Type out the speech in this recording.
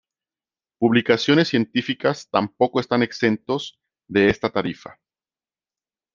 Publicaciones científicas tampoco están exentos de esta tarifa.